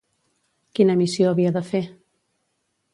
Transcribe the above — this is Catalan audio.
Quina missió havia de fer?